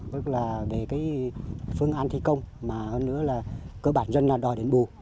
tức là về cái phương án thi công mà hơn nữa là cơ bản dân là đòi đền bù